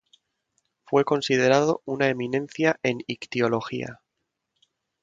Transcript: Fue considerado una eminencia en ictiología.